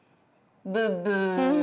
ブッブー。